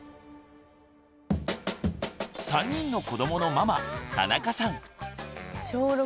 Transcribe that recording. ３人の子どものママ田中さん。